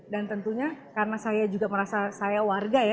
tentunya karena saya juga merasa saya warga ya